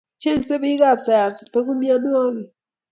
Chengsei bikap sayans, beku mianwokik